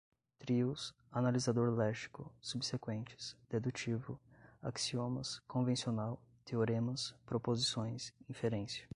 trios, analisador léxico, subsequentes, dedutivo, axiomas, convencional, teoremas, proposições, inferência